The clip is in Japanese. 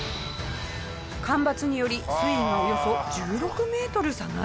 干ばつにより水位がおよそ１６メートル下がったそうです。